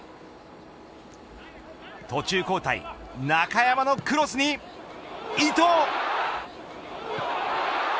途中交代、中山のクロスに伊東。